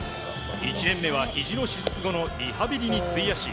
１年目はひじを手術後のリハビリに費やし